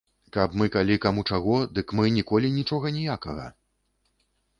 Каб мы калі каму чаго, дык мы ніколі нічога ніякага.